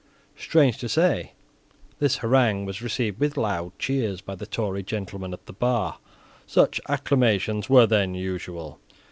Strange to say, this harangue was received with loud cheers by the Tory gentlemen at the bar. Such acclamations were then usual.